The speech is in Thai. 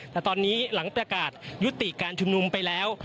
แต่ตอนนี้หลังประกาศยุติการชุมนุมไปแล้ว